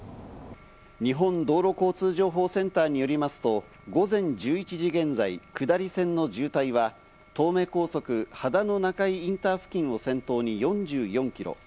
日本道路交通情報センターによりますと、午前１１時現在、下り線の渋滞は東名高速、秦野中井インター付近を先頭に４４キロ。